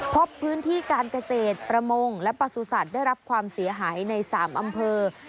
พบพื้นที่การเกษตรประมงและประสุทธิ์ได้รับความเสียหายใน๓อำเภอ